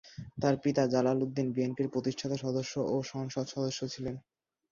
তার পিতা জালাল উদ্দিন বিএনপির প্রতিষ্ঠাতা সদস্য ও সংসদ সদস্য ছিলেন।